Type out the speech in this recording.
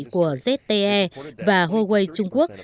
của zte và huawei trung quốc